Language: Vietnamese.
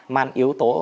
man yếu tố